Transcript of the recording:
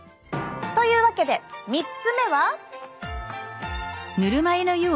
というわけで３つ目は。